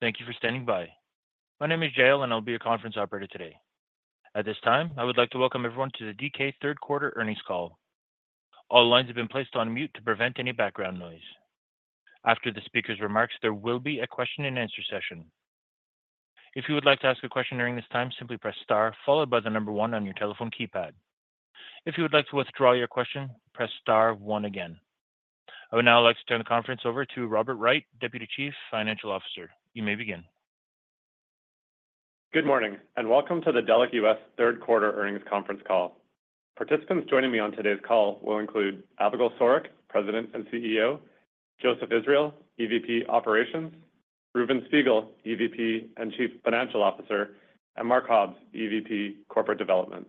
Thank you for standing by. My name is Jael and I'll be your conference operator today. At this time, I would like to welcome everyone to the DK Third Quarter Earnings Call. All lines have been placed on mute to prevent any background noise. After the speaker's remarks, there will be a question-and-answer session. If you would like to ask a question during this time, simply press star followed by the number one on your telephone keypad. If you would like to withdraw your question, press star one again. I would now like to turn the conference over to Robert Wright, Deputy Chief Financial Officer. You may begin. Good morning and welcome to the Delek U.S. Third Quarter Earnings Conference Call. Participants joining me on today's call will include Avigal Soreq, President and CEO, Joseph Israel, EVP Operations, Reuven Spiegel, EVP and Chief Financial Officer, and Mark Hobbs, EVP, Corporate Development.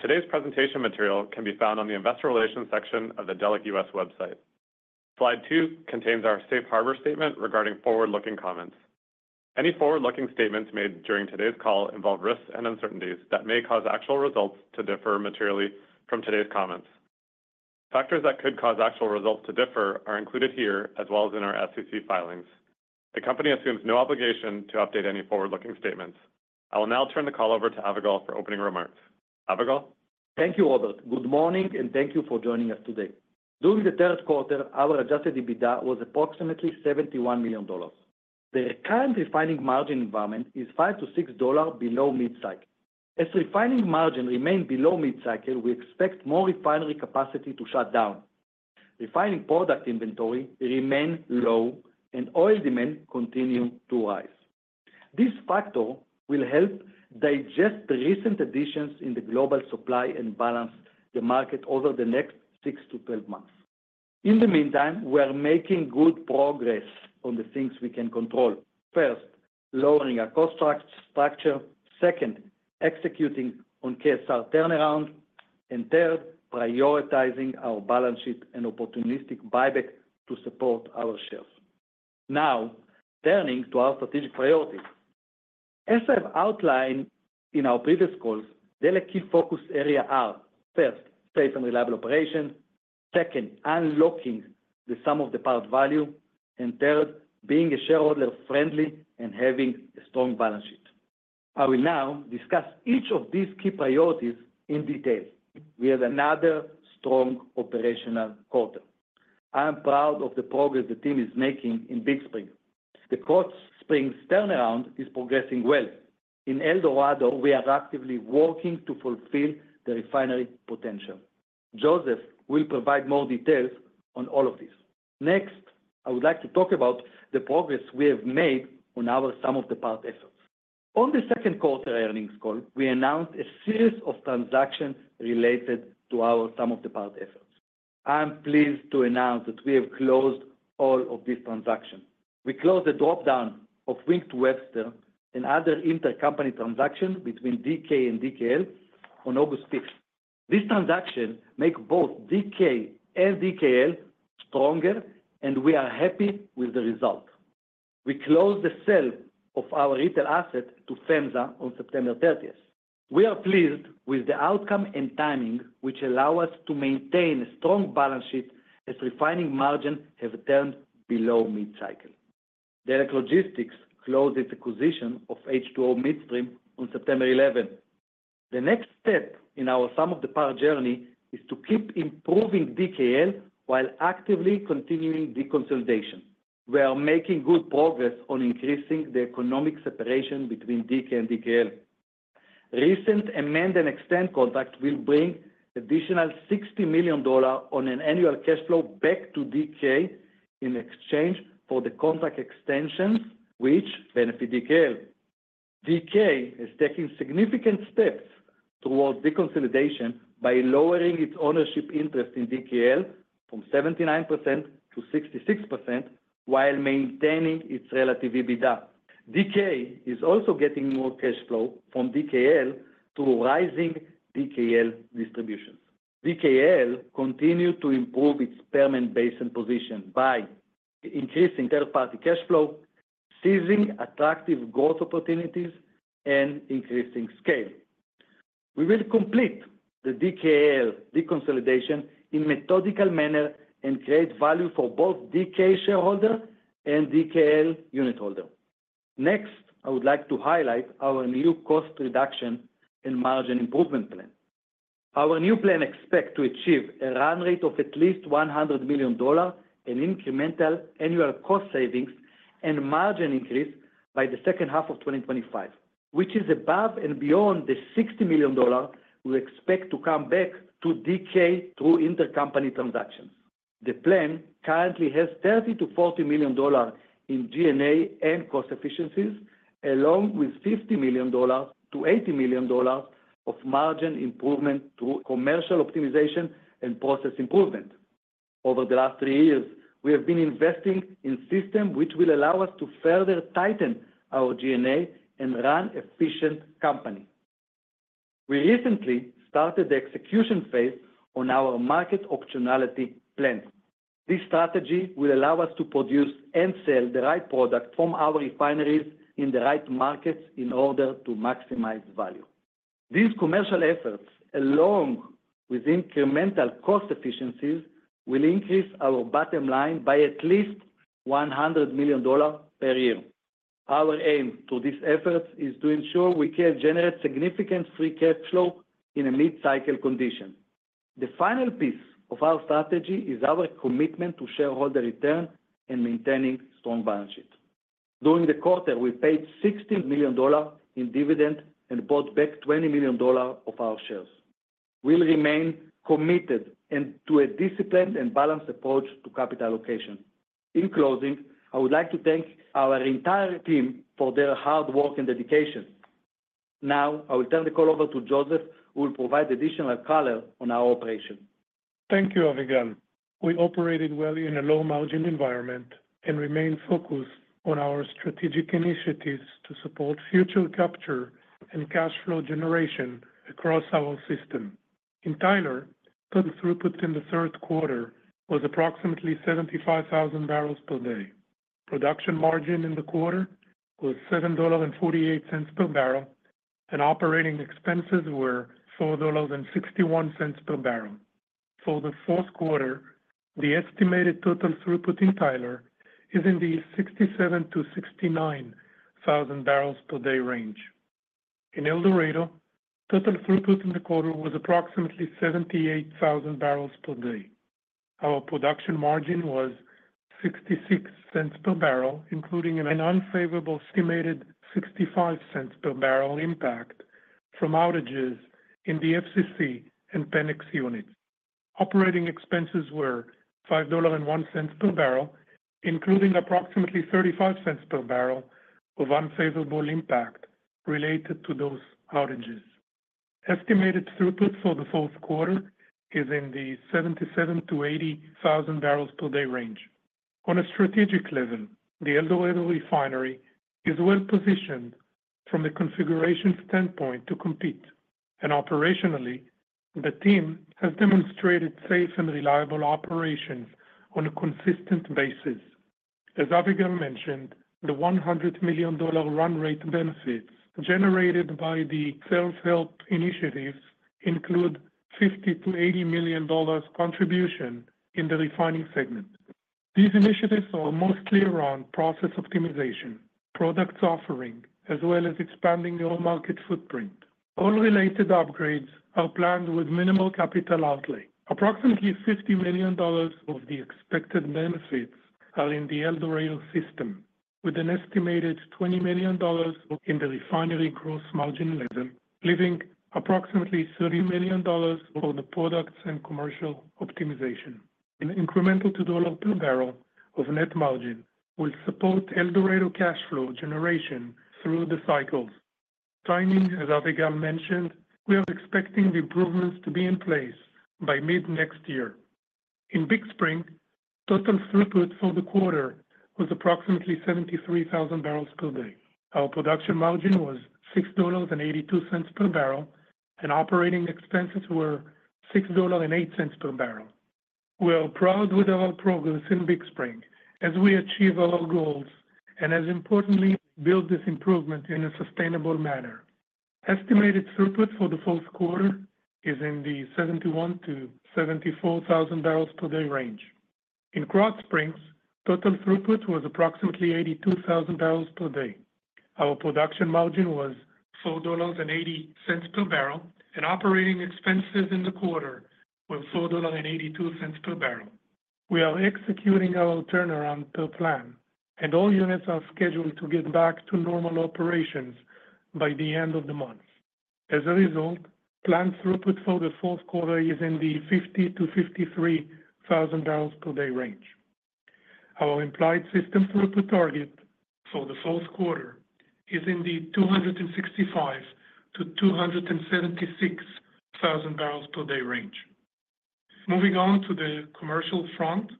Today's presentation material can be found on the Investor Relations section of the Delek U.S. website. Slide two contains our Safe Harbor Statement regarding forward-looking comments. Any forward-looking statements made during today's call involve risks and uncertainties that may cause actual results to differ materially from today's comments. Factors that could cause actual results to differ are included here as well as in our SEC filings. The company assumes no obligation to update any forward-looking statements. I will now turn the call over to Avigal for opening remarks. Avigal. Thank you, Robert. Good morning and thank you for joining us today. During the third quarter, our Adjusted EBITDA was approximately $71 million. The current refining margin environment is $5-$6 below mid-cycle. As refining margin remains below mid-cycle, we expect more refinery capacity to shut down, refining product inventory remains low, and oil demand continues to rise. This factor will help digest the recent additions in the global supply and balance the market over the next six to 12 months. In the meantime, we are making good progress on the things we can control. First, lowering our cost structure. Second, executing on KSR turnaround. And third, prioritizing our balance sheet and opportunistic buyback to support our shares. Now, turning to our strategic priorities. As I've outlined in our previous calls, Delek's key focus areas are: first, safe and reliable operation, second, unlocking the sum of the parts value, and third, being a shareholder-friendly and having a strong balance sheet. I will now discuss each of these key priorities in detail. We have another strong operational quarter. I'm proud of the progress the team is making in Big Spring. The Krotz Springs turnaround is progressing well. In El Dorado, we are actively working to fulfill the refinery potential. Joseph will provide more details on all of this. Next, I would like to talk about the progress we have made on our sum of the parts efforts. On the second quarter earnings call, we announced a series of transactions related to our sum of the parts efforts. I'm pleased to announce that we have closed all of these transactions. We closed the dropdown of Wink to Webster and other intercompany transactions between DK and DKL on August 5th. This transaction made both DK and DKL stronger, and we are happy with the result. We closed the sale of our retail asset to FEMSA on September 30th. We are pleased with the outcome and timing, which allow us to maintain a strong balance sheet as refining margins have turned below mid-cycle. Delek Logistics closed its acquisition of H2O Midstream on September 11th. The next step in our sum of the parts journey is to keep improving DKL while actively continuing deconsolidation. We are making good progress on increasing the economic separation between DK and DKL. Recent amend and extend contract will bring additional $60 million on an annual cash flow back to DK in exchange for the contract extensions, which benefit DKL. DK is taking significant steps towards deconsolidation by lowering its ownership interest in DKL from 79% to 66% while maintaining its relative EBITDA. DK is also getting more cash flow from DKL through rising DKL distributions. DKL continues to improve its Permian Basin position by increasing third-party cash flow, seizing attractive growth opportunities, and increasing scale. We will complete the DKL deconsolidation in a methodical manner and create value for both DK shareholders and DKL unit holders. Next, I would like to highlight our new cost reduction and margin improvement plan. Our new plan expects to achieve a run rate of at least $100 million and incremental annual cost savings and margin increase by the second half of 2025, which is above and beyond the $60 million we expect to come back to DK through intercompany transactions. The plan currently has $30-$40 million in G&A and cost efficiencies, along with $50-$80 million of margin improvement through commercial optimization and process improvement. Over the last three years, we have been investing in a system which will allow us to further tighten our G&A and run an efficient company. We recently started the execution phase on our market optionality plan. This strategy will allow us to produce and sell the right product from our refineries in the right markets in order to maximize value. These commercial efforts, along with incremental cost efficiencies, will increase our bottom line by at least $100 million per year. Our aim through these efforts is to ensure we can generate significant free cash flow in a mid-cycle condition. The final piece of our strategy is our commitment to shareholder return and maintaining a strong balance sheet. During the quarter, we paid $60 million in dividend and bought back $20 million of our shares. We'll remain committed to a disciplined and balanced approach to capital allocation. In closing, I would like to thank our entire team for their hard work and dedication. Now, I will turn the call over to Joseph, who will provide additional color on our operation. Thank you, Avigal. We operated well in a low-margin environment and remained focused on our strategic initiatives to support future capture and cash flow generation across our system. In Tyler, total throughput in the third quarter was approximately 75,000 barrels per day. Production margin in the quarter was $7.48 per barrel, and operating expenses were $4.61 per barrel. For the fourth quarter, the estimated total throughput in Tyler is in the 67,000-69,000 barrels per day range. In El Dorado, total throughput in the quarter was approximately 78,000 barrels per day. Our production margin was $0.66 per barrel, including an unfavorable estimated $0.65 per barrel impact from outages in the FCC and Penex units. Operating expenses were $5.01 per barrel, including approximately $0.35 per barrel of unfavorable impact related to those outages. Estimated throughput for the fourth quarter is in the 77,000-80,000 barrels per day range. On a strategic level, the El Dorado refinery is well positioned from a configuration standpoint to compete, and operationally, the team has demonstrated safe and reliable operations on a consistent basis. As Avigal mentioned, the $100 million run rate benefits generated by the self-help initiatives include $50-$80 million contribution in the refining segment. These initiatives are mostly around process optimization, product offering, as well as expanding your market footprint. All related upgrades are planned with minimal capital outlay. Approximately $50 million of the expected benefits are in the El Dorado system, with an estimated $20 million in the refinery gross margin level, leaving approximately $30 million for the products and commercial optimization. An incremental $2 per barrel of net margin will support El Dorado cash flow generation through the cycles. Timing, as Avigal mentioned, we are expecting the improvements to be in place by mid next year. In Big Spring, total throughput for the quarter was approximately 73,000 barrels per day. Our production margin was $6.82 per barrel, and operating expenses were $6.08 per barrel. We are proud with our progress in Big Spring as we achieve our goals and, as importantly, build this improvement in a sustainable manner. Estimated throughput for the fourth quarter is in the 71,000-74,000 barrels per day range. In Krotz Springs, total throughput was approximately 82,000 barrels per day. Our production margin was $4.80 per barrel, and operating expenses in the quarter were $4.82 per barrel. We are executing our turnaround per plan, and all units are scheduled to get back to normal operations by the end of the month. As a result, planned throughput for the fourth quarter is in the 50,000-53,000 barrels per day range. Our implied system throughput target for the fourth quarter is in the 265,000-276,000 barrels per day range. Moving on to the commercial front,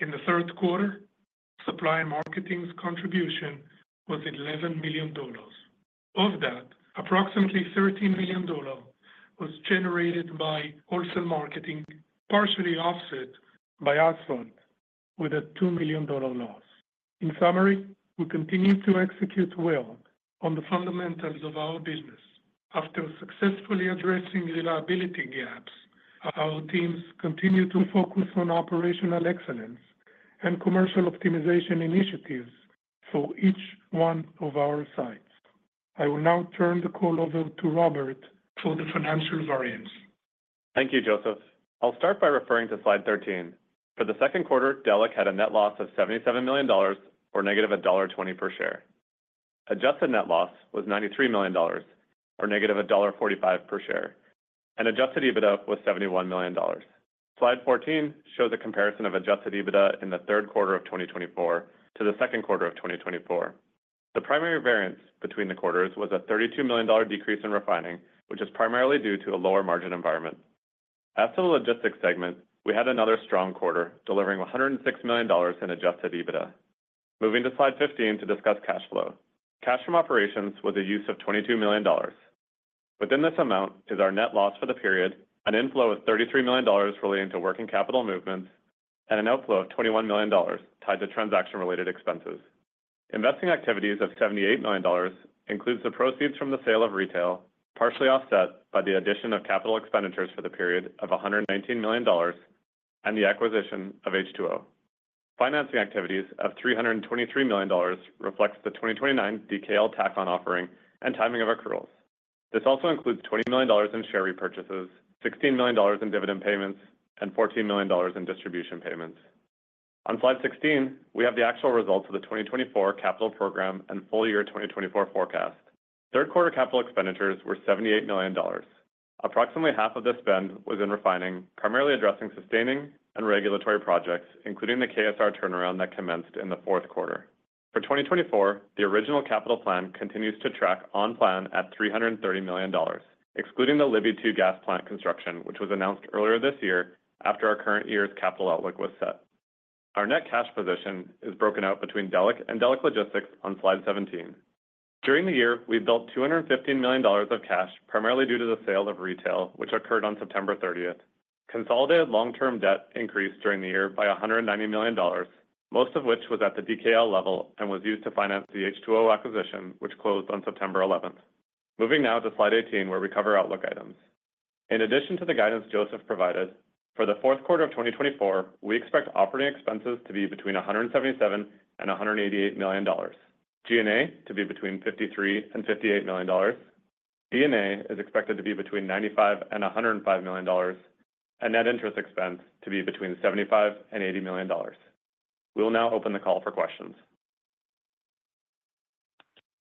in the third quarter, supply and marketing's contribution was $11 million. Of that, approximately $13 million was generated by wholesale marketing, partially offset by asphalt, with a $2 million loss. In summary, we continue to execute well on the fundamentals of our business. After successfully addressing reliability gaps, our teams continue to focus on operational excellence and commercial optimization initiatives for each one of our sites. I will now turn the call over to Robert for the financial variance. Thank you, Joseph. I'll start by referring to slide 13. For the second quarter, Delek had a net loss of $77 million or negative $1.20 per share. Adjusted net loss was $93 million or negative $1.45 per share, and adjusted EBITDA was $71 million. Slide 14 shows a comparison of adjusted EBITDA in the third quarter of 2024 to the second quarter of 2024. The primary variance between the quarters was a $32 million decrease in refining, which is primarily due to a lower margin environment. As to the logistics segment, we had another strong quarter delivering $106 million in adjusted EBITDA. Moving to slide 15 to discuss cash flow. Cash from operations was a use of $22 million. Within this amount is our net loss for the period, an inflow of $33 million relating to working capital movements, and an outflow of $21 million tied to transaction-related expenses. Investing activities of $78 million include the proceeds from the sale of retail, partially offset by the addition of capital expenditures for the period of $119 million, and the acquisition of H2O. Financing activities of $323 million reflect the 2029 DKL tack-on offering and timing of accruals. This also includes $20 million in share repurchases, $16 million in dividend payments, and $14 million in distribution payments. On slide 16, we have the actual results of the 2024 capital program and full year 2024 forecast. Third quarter capital expenditures were $78 million. Approximately half of the spend was in refining, primarily addressing sustaining and regulatory projects, including the KSR turnaround that commenced in the fourth quarter. For 2024, the original capital plan continues to track on plan at $330 million, excluding the Libby II gas plant construction, which was announced earlier this year after our current year's capital outlook was set. Our net cash position is broken out between Delek and Delek Logistics on slide 17. During the year, we built $215 million of cash, primarily due to the sale of retail, which occurred on September 30th. Consolidated long-term debt increased during the year by $190 million, most of which was at the DKL level and was used to finance the H2O acquisition, which closed on September 11th. Moving now to slide 18, where we cover outlook items. In addition to the guidance Joseph provided, for the fourth quarter of 2024, we expect operating expenses to be between $177 and $188 million, G&A to be between $53 and $58 million, D&A is expected to be between $95 and $105 million, and net interest expense to be between $75 and $80 million. We will now open the call for questions.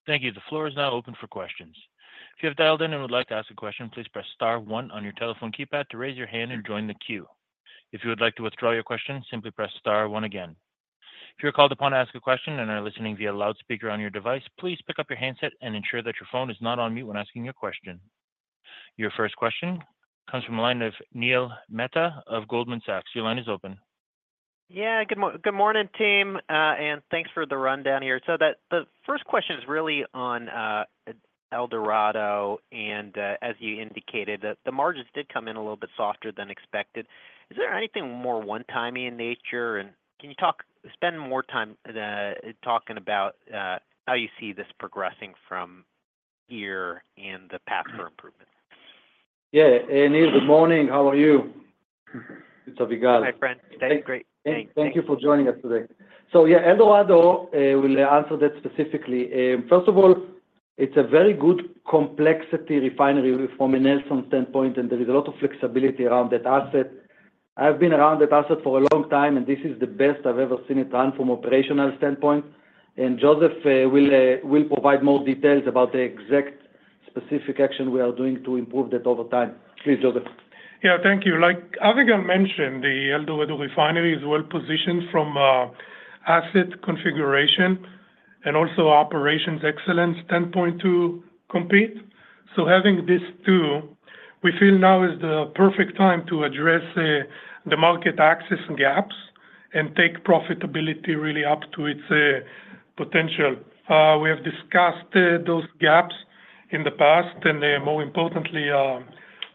Thank you. The floor is now open for questions. If you have dialed in and would like to ask a question, please press star one on your telephone keypad to raise your hand and join the queue. If you would like to withdraw your question, simply press star one again. If you're called upon to ask a question and are listening via loudspeaker on your device, please pick up your handset and ensure that your phone is not on mute when asking your question. Your first question comes from a line of Neil Mehta of Goldman Sachs. Your line is open. Yeah, good morning, team, and thanks for the rundown here. So the first question is really on El Dorado, and as you indicated, the margins did come in a little bit softer than expected. Is there anything more one-timey in nature, and can you spend more time talking about how you see this progressing from here and the path for improvement? Yeah, Neil, good morning. How are you? It's Avigal. Hi, friend. Thank you for joining us today. So yeah, El Dorado, we'll answer that specifically. First of all, it's a very good complexity refinery from a Nelson standpoint, and there is a lot of flexibility around that asset. I've been around that asset for a long time, and this is the best I've ever seen it run from an operational standpoint, and Joseph will provide more details about the exact specific action we are doing to improve that over time. Please, Joseph. Yeah, thank you. Like Avigal mentioned, the El Dorado refinery is well positioned from asset configuration and also operations excellence to compete, so having these two, we feel now is the perfect time to address the market access gaps and take profitability really up to its potential. We have discussed those gaps in the past, and more importantly,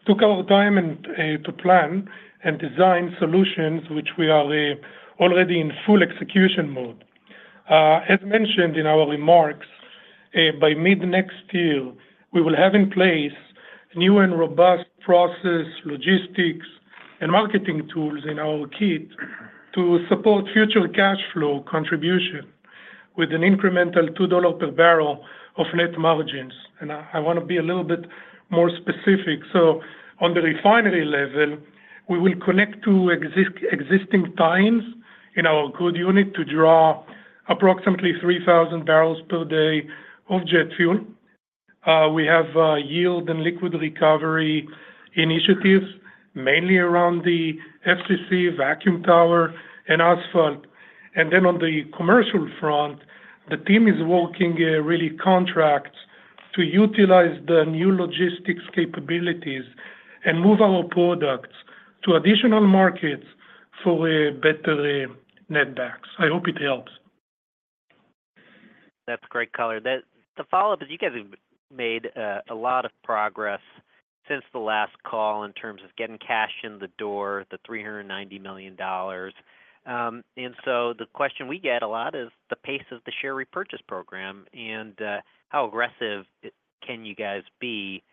took our time to plan and design solutions which we are already in full execution mode. As mentioned in our remarks, by mid next year, we will have in place new and robust process, logistics, and marketing tools in our kit to support future cash flow contribution with an incremental $2 per barrel of net margins, and I want to be a little bit more specific, so on the refinery level, we will connect two existing lines in our crude unit to draw approximately 3,000 barrels per day of jet fuel. We have yield and liquid recovery initiatives mainly around the FCC vacuum tower and asphalt, and then on the commercial front, the team is working really contracts to utilize the new logistics capabilities and move our products to additional markets for better netbacks. I hope it helps. That's great, caller. The follow-up is you guys have made a lot of progress since the last call in terms of getting cash in the door, the $390 million. And so the question we get a lot is the pace of the share repurchase program and how aggressive can you guys be,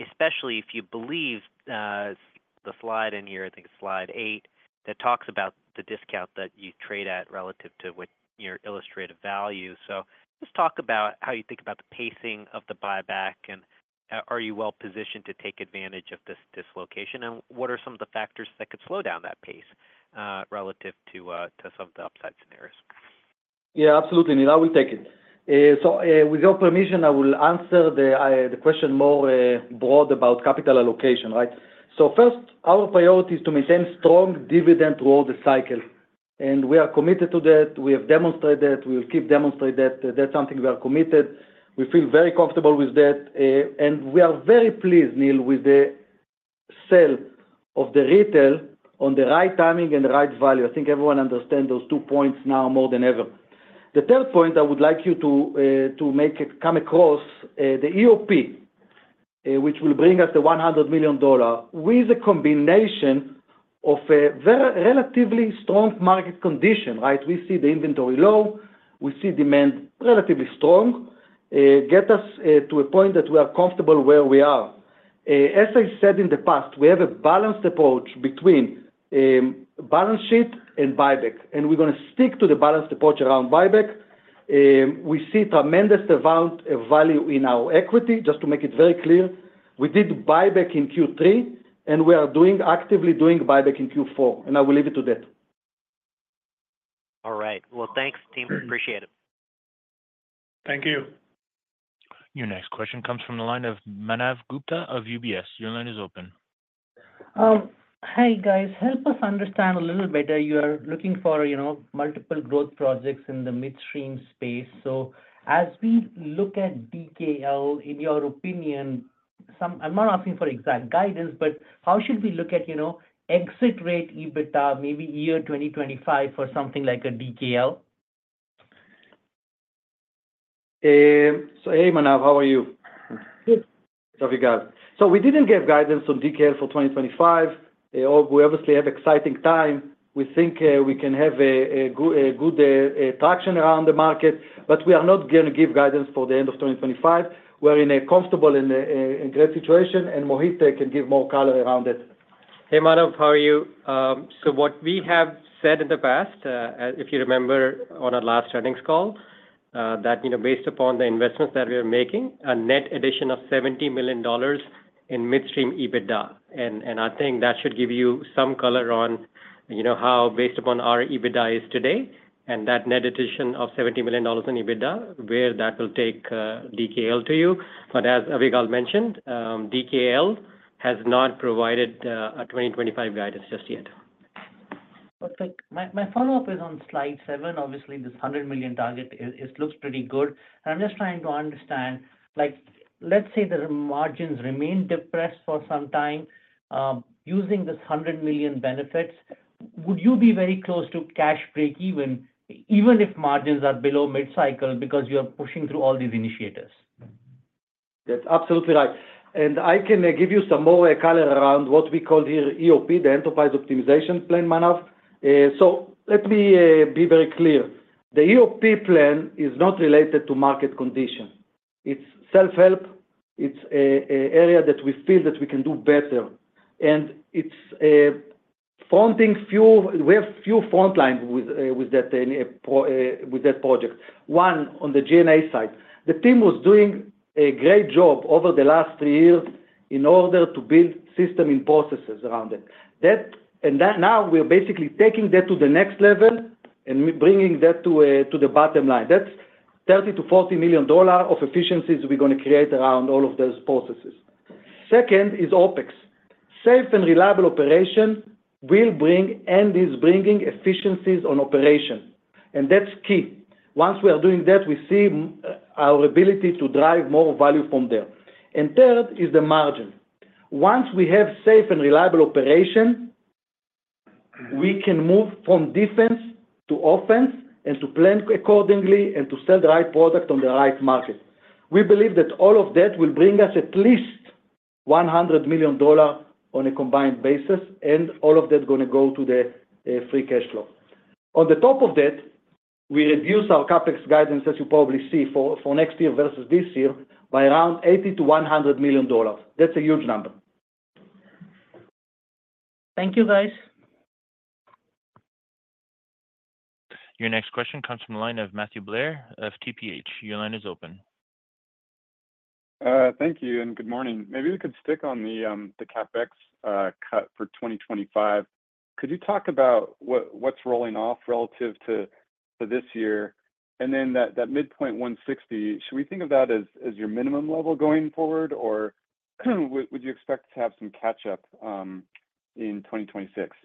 especially if you believe the slide in here, I think it's slide 8, that talks about the discount that you trade at relative to your illustrative value. So just talk about how you think about the pacing of the buyback, and are you well positioned to take advantage of this dislocation, and what are some of the factors that could slow down that pace relative to some of the upside scenarios? Yeah, absolutely. Neil, I will take it. So with your permission, I will answer the question more broad about capital allocation, right? So first, our priority is to maintain strong dividend throughout the cycle, and we are committed to that. We have demonstrated that. We will keep demonstrating that. That's something we are committed. We feel very comfortable with that. And we are very pleased, Neil, with the sale of the retail on the right timing and the right value. I think everyone understands those two points now more than ever. The third point I would like you to make come across the EOP, which will bring us the $100 million with a combination of a relatively strong market condition, right? We see the inventory low. We see demand relatively strong. Get us to a point that we are comfortable where we are. As I said in the past, we have a balanced approach between balance sheet and buyback, and we're going to stick to the balanced approach around buyback. We see a tremendous amount of value in our equity. Just to make it very clear, we did buyback in Q3, and we are actively doing buyback in Q4, and I will leave it to that. All right. Well, thanks, team. Appreciate it. Thank you. Your next question comes from the line of Manav Gupta of UBS. Your line is open. Hey, guys. Help us understand a little better. You are looking for multiple growth projects in the midstream space. So as we look at DKL, in your opinion, I'm not asking for exact guidance, but how should we look at exit rate EBITDA, maybe year 2025 for something like a DKL? Hey, Manav. How are you? Good. It's Avigal. So we didn't give guidance on DKL for 2025. We obviously have an exciting time. We think we can have good traction around the market, but we are not going to give guidance for the end of 2025. We're in a comfortable and great situation, and Mohit can give more color around it. Hey, Manav. How are you? So what we have said in the past, if you remember on our last earnings call, that based upon the investments that we are making, a net addition of $70 million in midstream EBITDA. And I think that should give you some color on how, based upon our EBITDA is today, and that net addition of $70 million in EBITDA, where that will take DKL to you. But as Avigal mentioned, DKL has not provided a 2025 guidance just yet. Perfect. My follow-up is on slide 7. Obviously, this $100 million target, it looks pretty good. And I'm just trying to understand, let's say the margins remain depressed for some time using this $100 million benefits, would you be very close to cash breakeven if margins are below mid-cycle because you are pushing through all these initiatives? That's absolutely right. And I can give you some more color around what we call here EOP, the Enterprise Optimization Plan, Manav. So let me be very clear. The EOP plan is not related to market condition. It's self-help. It's an area that we feel that we can do better. And we have a few frontlines with that project. One on the G&A side. The team was doing a great job over the last three years in order to build system and processes around it. And now we're basically taking that to the next level and bringing that to the bottom line. That's $30-$40 million of efficiencies we're going to create around all of those processes. Second is OpEx. Safe and reliable operation will bring and is bringing efficiencies on operation. And that's key. Once we are doing that, we see our ability to drive more value from there. And third is the margin. Once we have safe and reliable operation, we can move from defense to offense and to plan accordingly and to sell the right product on the right market. We believe that all of that will bring us at least $100 million on a combined basis, and all of that is going to go to the free cash flow. On the top of that, we reduce our CapEx guidance, as you probably see, for next year versus this year by around $80-$100 million. That's a huge number. Thank you, guys. Your next question comes from the line of Matthew Blair of TPH. Your line is open. Thank you and good morning. Maybe we could stick on the CapEx cut for 2025. Could you talk about what's rolling off relative to this year and then that midpoint 160? Should we think of that as your minimum level going forward, or would you expect to have some catch-up in 2026?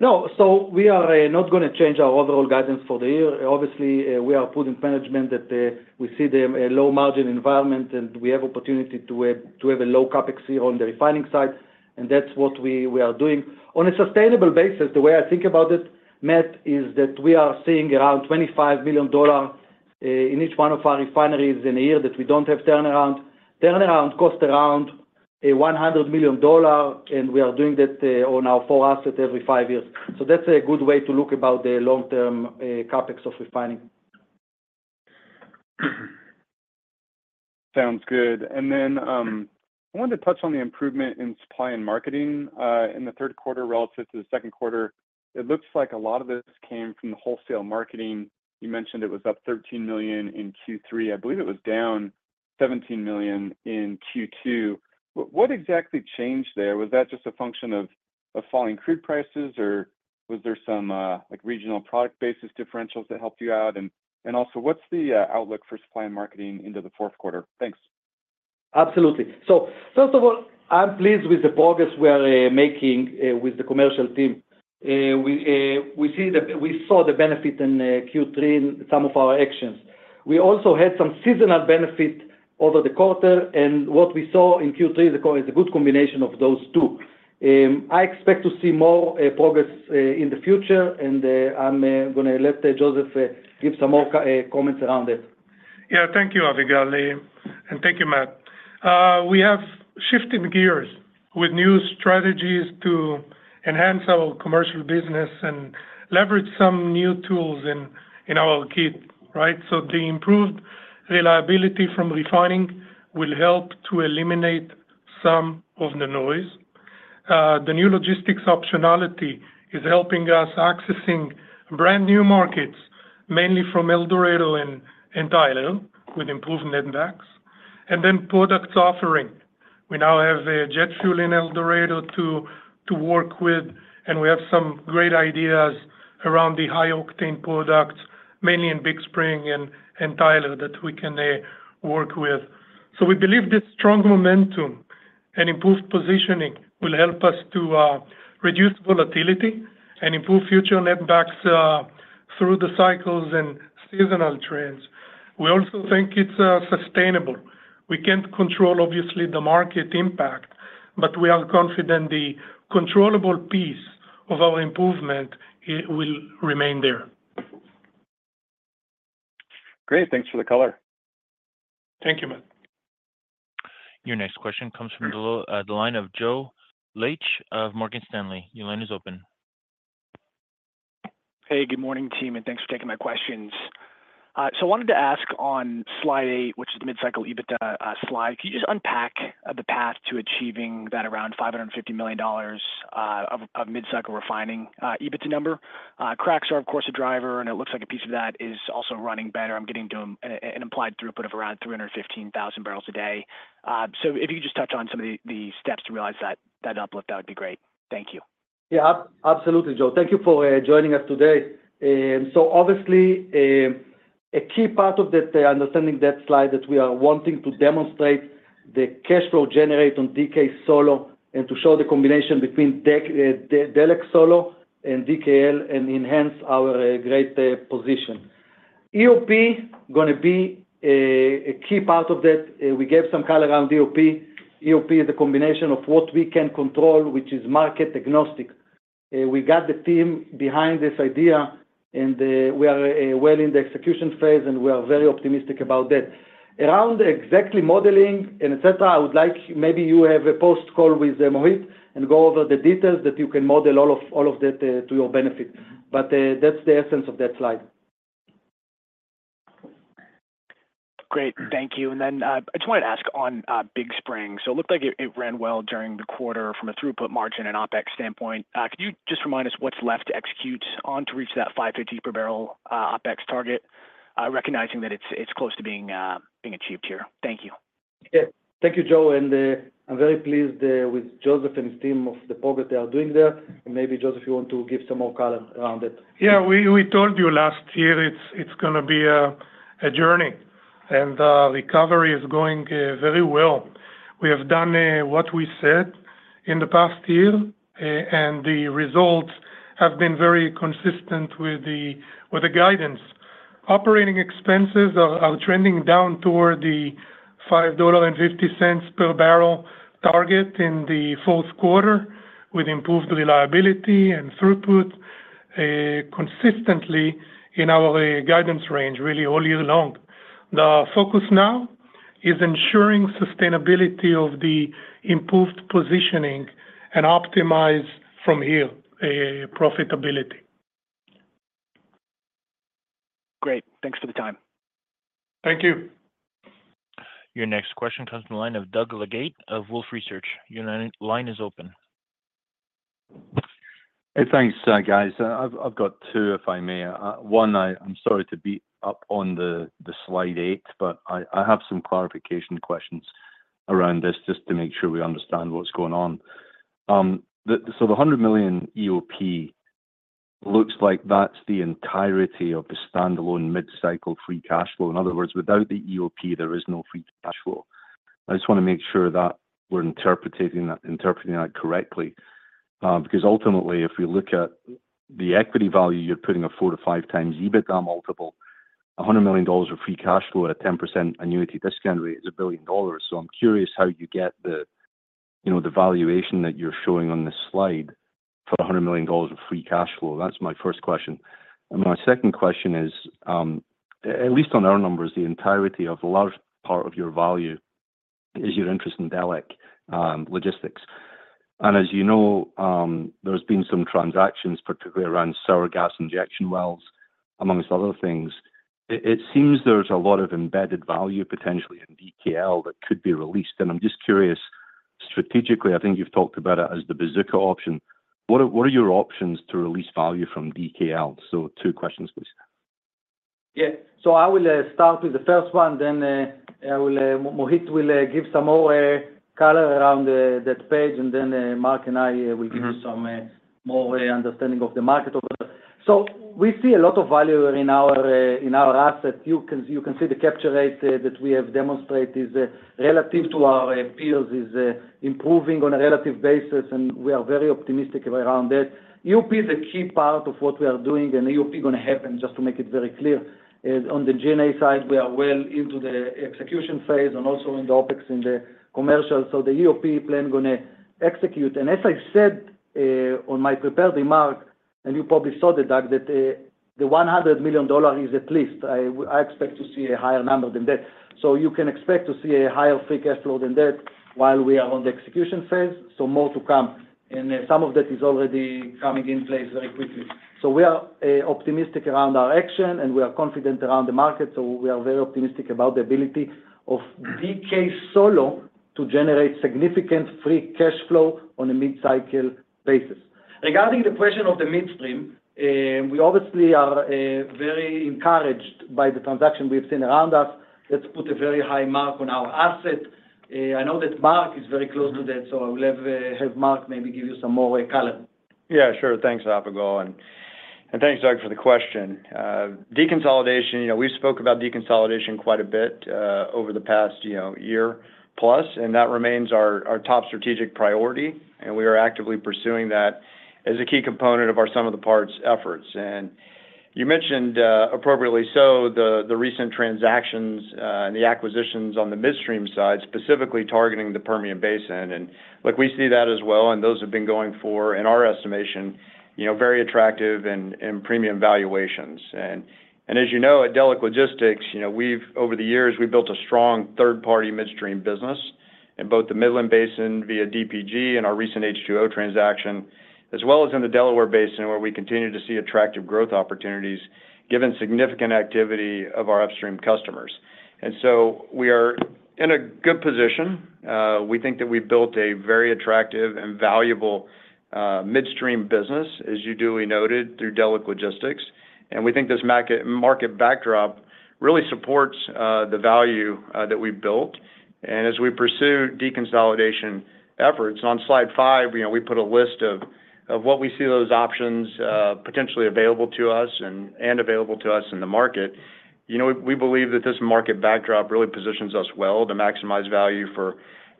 No. So we are not going to change our overall guidance for the year. Obviously, we are putting management that we see the low margin environment, and we have the opportunity to have a low CapEx year on the refining side, and that's what we are doing. On a sustainable basis, the way I think about it, Matt, is that we are seeing around $25 million in each one of our refineries in a year that we don't have turnaround. Turnaround costs around $100 million, and we are doing that on our four assets every five years. So that's a good way to look at the long-term CapEx of refining. Sounds good. And then I wanted to touch on the improvement in supply and marketing in the third quarter relative to the second quarter. It looks like a lot of this came from the wholesale marketing. You mentioned it was up $13 million in Q3. I believe it was down $17 million in Q2. What exactly changed there? Was that just a function of falling crude prices, or was there some regional product basis differentials that helped you out? And also, what's the outlook for supply and marketing into the fourth quarter? Thanks. Absolutely. So first of all, I'm pleased with the progress we are making with the commercial team. We saw the benefit in Q3 in some of our actions. We also had some seasonal benefit over the quarter, and what we saw in Q3 is a good combination of those two. I expect to see more progress in the future, and I'm going to let Joseph give some more comments around it. Yeah, thank you, Avigal, and thank you, Matt. We have shifted gears with new strategies to enhance our commercial business and leverage some new tools in our kit, right? So the improved reliability from refining will help to eliminate some of the noise. The new logistics optionality is helping us access brand new markets, mainly from El Dorado and Tyler, with improved net backs. And then product offering. We now have jet fuel in El Dorado to work with, and we have some great ideas around the high octane products, mainly in Big Spring and Tyler, that we can work with. So we believe this strong momentum and improved positioning will help us to reduce volatility and improve future net backs through the cycles and seasonal trends. We also think it's sustainable. We can't control, obviously, the market impact, but we are confident the controllable piece of our improvement will remain there. Great. Thanks for the color. Thank you, Matt. Your next question comes from the line of Joe Laetsch of Morgan Stanley. Your line is open. Hey, good morning, team, and thanks for taking my questions. So I wanted to ask on slide 8, which is the mid-cycle EBITDA slide. Can you just unpack the path to achieving that around $550 million of mid-cycle refining EBITDA number? Cracks are, of course, a driver, and it looks like a piece of that is also running better. I'm getting an implied throughput of around 315,000 barrels a day. So if you could just touch on some of the steps to realize that uplift, that would be great. Thank you. Yeah, absolutely, Joe. Thank you for joining us today. So obviously, a key part of understanding that slide that we are wanting to demonstrate the cash flow generated on DK solo and to show the combination between Delek solo and DKL and enhance our great position. EOP is going to be a key part of that. We gave some color around EOP. EOP is a combination of what we can control, which is market agnostic. We got the team behind this idea, and we are well in the execution phase, and we are very optimistic about that. Around exactly modeling and etc., I would like maybe you have a post-call with Mohit and go over the details that you can model all of that to your benefit. But that's the essence of that slide. Great. Thank you. And then I just wanted to ask on Big Spring. So it looked like it ran well during the quarter from a throughput margin and OpEx standpoint. Could you just remind us what's left to execute on to reach that $550 per barrel OpEx target, recognizing that it's close to being achieved here? Thank you. Yeah. Thank you, Joe. And I'm very pleased with Joseph and his team of the program they are doing there. And maybe, Joseph, you want to give some more color around it? Yeah. We told you last year it's going to be a journey, and recovery is going very well. We have done what we said in the past year, and the results have been very consistent with the guidance. Operating expenses are trending down toward the $5.50 per barrel target in the fourth quarter with improved reliability and throughput consistently in our guidance range, really all year long. The focus now is ensuring sustainability of the improved positioning and optimize from here profitability. Great. Thanks for the time. Thank you. Your next question comes from the line of Doug Legate of Wolfe Research. Your line is open. Hey, thanks, guys. I've got two, if I may. One, I'm sorry to be up on slide 8, but I have some clarification questions around this just to make sure we understand what's going on. So the $100 million EOP looks like that's the entirety of the standalone mid-cycle free cash flow. In other words, without the EOP, there is no free cash flow. I just want to make sure that we're interpreting that correctly. Because ultimately, if we look at the equity value, you're putting a 4-5 times EBITDA multiple, $100 million of free cash flow at a 10% annuity discount rate is $1 billion. So I'm curious how you get the valuation that you're showing on this slide for $100 million of free cash flow. That's my first question. My second question is, at least on our numbers, the entirety of a large part of your value is your interest in Delek Logistics. And as you know, there's been some transactions, particularly around sour gas injection wells, among other things. It seems there's a lot of embedded value potentially in DKL that could be released. And I'm just curious, strategically, I think you've talked about it as the Bazooka option. What are your options to release value from DKL? So two questions, please. Yeah. So I will start with the first one, then Mohit will give some more color around that page, and then Mark and I will give you some more understanding of the market. We see a lot of value in our assets. You can see the capture rate that we have demonstrated relative to our peers is improving on a relative basis, and we are very optimistic around that. EOP is a key part of what we are doing, and EOP is going to happen, just to make it very clear. On the G&A side, we are well into the execution phase and also in the OPEX in the commercial. The EOP plan is going to execute. As I said on my prepared remark, and you probably saw that, Doug, that the $100 million is at least. I expect to see a higher number than that. You can expect to see a higher free cash flow than that while we are on the execution phase. More to come. Some of that is already coming in place very quickly. We are optimistic around our action, and we are confident around the market. We are very optimistic about the ability of DK solo to generate significant free cash flow on a mid-cycle basis. Regarding the question of the midstream, we obviously are very encouraged by the transaction we've seen around us that's put a very high mark on our asset. I know that Mark is very close to that, so I will have Mark maybe give you some more color. Yeah, sure. Thanks, Avigal, and thanks, Doug, for the question. Deconsolidation, we've spoken about deconsolidation quite a bit over the past year plus, and that remains our top strategic priority, and we are actively pursuing that as a key component of our sum of the parts efforts, and you mentioned, appropriately so, the recent transactions and the acquisitions on the midstream side, specifically targeting the Permian Basin, and we see that as well, and those have been going for, in our estimation, very attractive and premium valuations, and as you know, at Delek Logistics, over the years, we've built a strong third-party midstream business in both the Midland Basin via DPG and our recent H2O transaction, as well as in the Delaware Basin, where we continue to see attractive growth opportunities given significant activity of our upstream customers, and so we are in a good position. We think that we've built a very attractive and valuable midstream business, as you duly noted, through Delek Logistics. We think this market backdrop really supports the value that we've built. As we pursue deconsolidation efforts, on slide five, we put a list of what we see those options potentially available to us and available to us in the market. We believe that this market backdrop really positions us well to maximize value for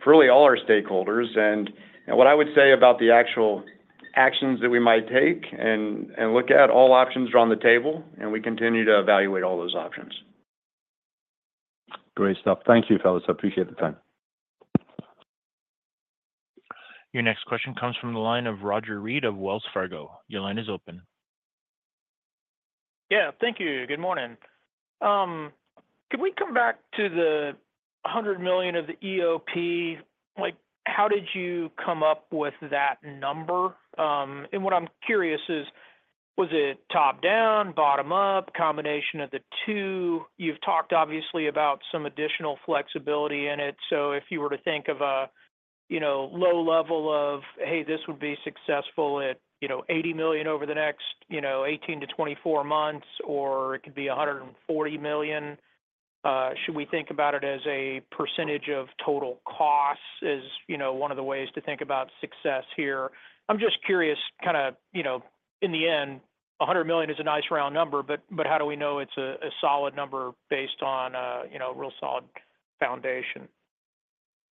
really all our stakeholders. What I would say about the actual actions that we might take and look at, all options are on the table, and we continue to evaluate all those options. Great stuff. Thank you, fellows. I appreciate the time. Your next question comes from the line of Roger Read of Wells Fargo. Your line is open. Yeah. Thank you. Good morning. Can we come back to the $100 million of the EOP? How did you come up with that number? And what I'm curious is, was it top-down, bottom-up, combination of the two? You've talked, obviously, about some additional flexibility in it. So if you were to think of a low level of, "Hey, this would be successful at $80 million over the next 18-24 months," or it could be $140 million, should we think about it as a percentage of total costs as one of the ways to think about success here? I'm just curious, kind of in the end, $100 million is a nice round number, but how do we know it's a solid number based on a real solid foundation?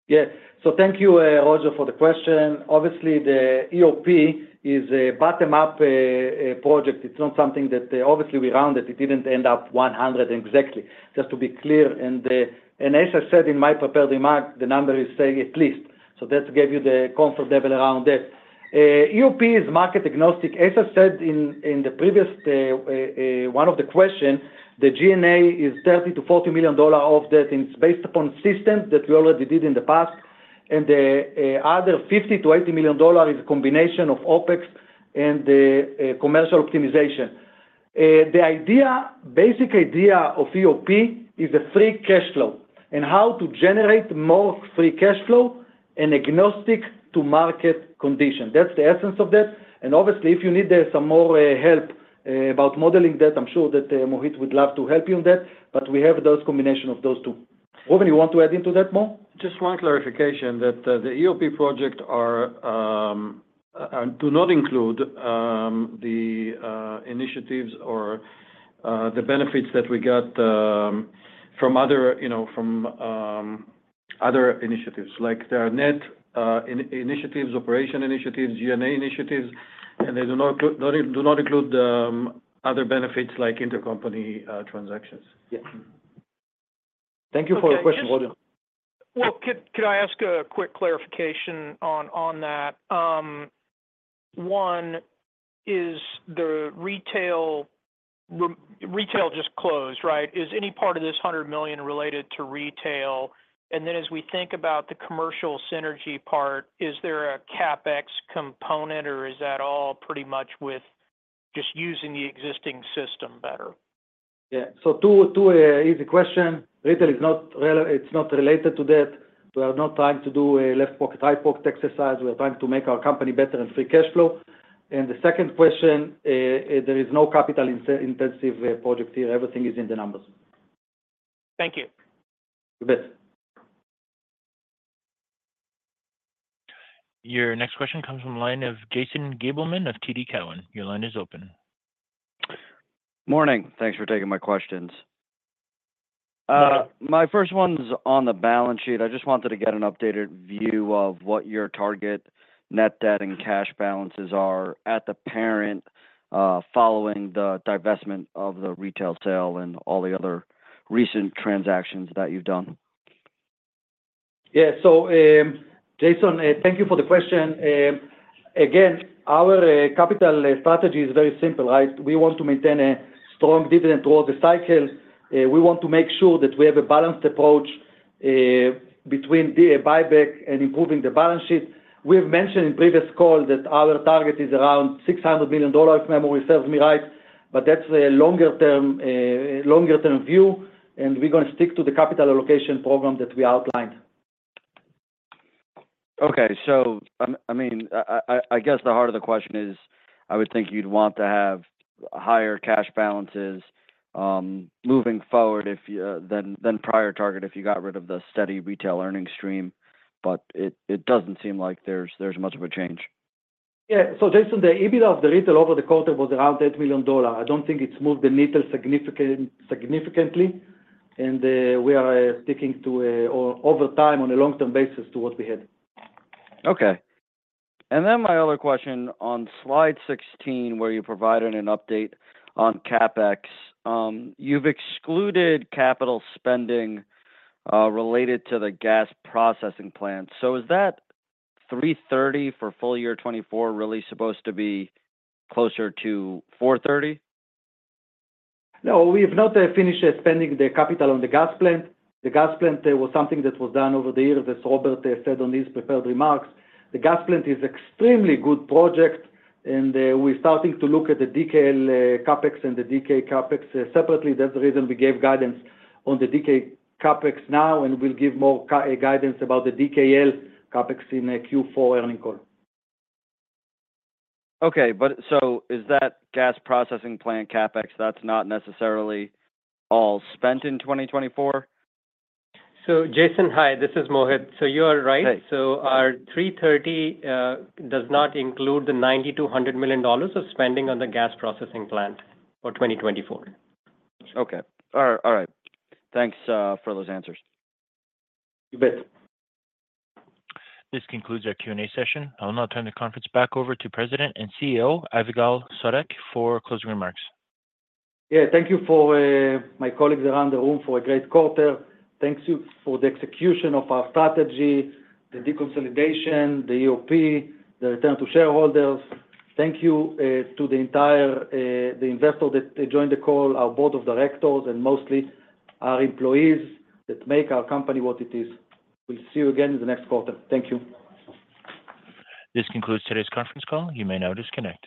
Yeah. So thank you, Roger, for the question. Obviously, the EOP is a bottom-up project. It's not something that obviously we rounded. It didn't end up $100 exactly, just to be clear. And as I said in my prepared remark, the number is saying at least. So that gave you the comfort level around that. EOP is market agnostic. As I said in the previous one of the questions, the G&A is $30-$40 million of that, and it's based upon systems that we already did in the past. And the other $50-$80 million is a combination of OPEX and commercial optimization. The basic idea of EOP is a free cash flow and how to generate more free cash flow and agnostic to market condition. That's the essence of that. And obviously, if you need some more help about modeling that, I'm sure that Mohit would love to help you on that, but we have those combinations of those two. Reuven, you want to add into that more? Just one clarification that the EOP project does not include the initiatives or the benefits that we got from other initiatives, like their net initiatives, operation initiatives, G&A initiatives, and they do not include other benefits like intercompany transactions. Yeah. Thank you for your question, Roger. Can I ask a quick clarification on that? One, is the retail just closed, right? Is any part of this $100 million related to retail? And then as we think about the commercial synergy part, is there a CapEx component, or is that all pretty much with just using the existing system better? Yeah, so two easy questions. Retail is not related to that. We are not trying to do a left pocket, right pocket exercise. We are trying to make our company better and free cash flow, and the second question, there is no capital-intensive project here. Everything is in the numbers. Thank you. You bet. Your next question comes from the line of Jason Gabelman of TD Cowen. Your line is open. Morning. Thanks for taking my questions. My first one's on the balance sheet. I just wanted to get an updated view of what your target net debt and cash balances are at the parent following the divestment of the retail sale and all the other recent transactions that you've done. Yeah. So Jason, thank you for the question. Again, our capital strategy is very simple, right? We want to maintain a strong dividend throughout the cycle. We want to make sure that we have a balanced approach between buyback and improving the balance sheet. We have mentioned in previous calls that our target is around $600 million, if memory serves me right, but that's a longer-term view, and we're going to stick to the capital allocation program that we outlined. Okay. So I mean, I guess the heart of the question is, I would think you'd want to have higher cash balances moving forward than prior target if you got rid of the steady retail earnings stream, but it doesn't seem like there's much of a change. Yeah. So Jason, the EBITDA of the retail over the quarter was around $8 million. I don't think it's moved the needle significantly, and we are sticking to over time on a long-term basis to what we had. Okay. And then my other question on slide 16, where you provided an update on CapEx, you've excluded capital spending related to the gas processing plant. So is that 330 for full year 2024 really supposed to be closer to 430? No. We have not finished spending the capital on the gas plant. The gas plant was something that was done over the years, as Robert said on his prepared remarks. The gas plant is an extremely good project, and we're starting to look at the DKL CapEx and the DK CapEx separately. That's the reason we gave guidance on the DK CapEx now, and we'll give more guidance about the DKL CapEx in Q4 earnings call. Okay. So is that gas processing plant CapEx, that's not necessarily all spent in 2024? So Jason, hi. This is Mohit. So you are right. So our 330 does not include the $9,200 million of spending on the gas processing plant for 2024. Okay. All right. Thanks for those answers. You bet. This concludes our Q&A session. I'll now turn the conference back over to President and CEO Avigal Soreq for closing remarks. Yeah. Thank you to my colleagues around the room for a great quarter. Thank you for the execution of our strategy, the deconsolidation, the EOP, the return to shareholders. Thank you to the investors that joined the call, our board of directors, and mostly our employees that make our company what it is. We'll see you again in the next quarter. Thank you. This concludes today's conference call. You may now disconnect.